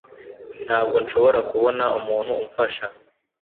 Ntabwo nshobora kubona umuntu umfasha